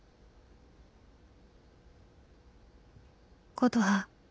「琴葉。